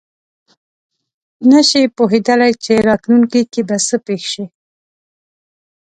نه شي پوهېدلی چې راتلونکې کې به څه پېښ شي.